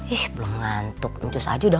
ih belum ngantuk luncur aja udah